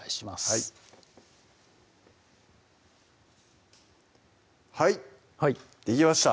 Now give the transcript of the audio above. はいはいできました